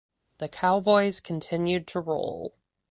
The Cowboys continued to roll.